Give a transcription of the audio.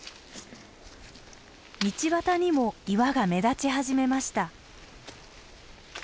道端にも岩が目立ち始めました。